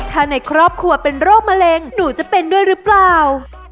ถ้าในครอบครัวเป็นโรคมะเร็งหนูจะเป็นด้วยหรือเปล่า